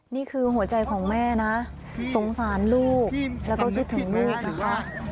นี่คือหัวใจของแม่นะสงสารลูกแล้วก็คิดถึงลูกนะคะ